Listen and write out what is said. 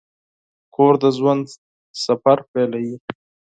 کور د ژوند سفر پیلوي.